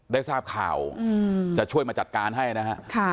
ได้ทราบข่าวจะช่วยมาจัดการให้นะฮะ